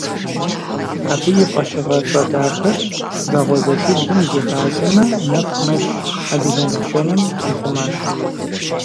Абы и фӀэщыгъэцӀэ дахэр «Вагъуэзэшиблым зигъазэмэ, нэху мэщ» адыгэ нэщэнэм ихъумащ.